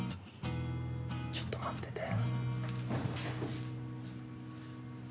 ちょっと待ってて。